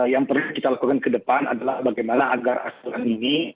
yang perlu kita lakukan ke depan adalah bagaimana agar aturan ini